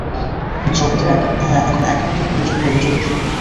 জগতের এখন একান্ত প্রয়োজন হল চরিত্র।